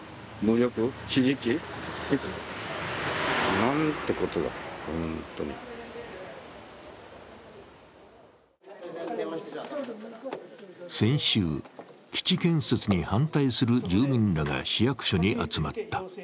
なんてことだ、本当に先週、基地建設に反対する住民らが市役所に集まった。